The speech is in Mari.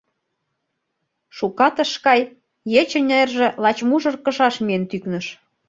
Шукат ыш кай, ече нерже лач мужыр кышаш миен тӱкныш.